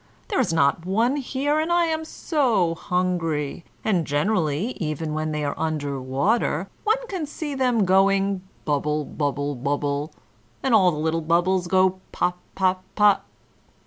There is not one here and I am so hungry; and generally, even when they are under water, one can see them going bubble, bubble, bubble, and all the little bubbles go pop! pop! pop!"